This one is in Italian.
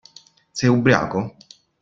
Sei ubriaco?